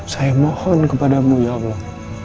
saya mohon kepadamu ya allah